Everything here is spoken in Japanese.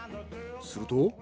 すると。